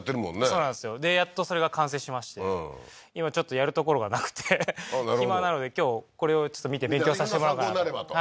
そうなんですよでやっとそれが完成しまして今ちょっとやる所がなくてあっなるほど暇なので今日これを見て勉強さしてもらおうかなと参考になればと？